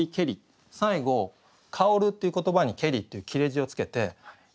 最後「香る」っていう言葉に「けり」っていう切れ字をつけて詠嘆する。